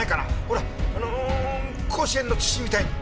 ほらあの甲子園の土みたいに！